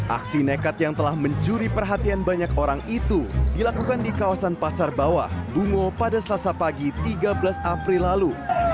aksi nekat yang telah mencuri perhatian banyak orang itu dilakukan di kawasan pasar bawah bungo pada selasa pagi tiga belas april lalu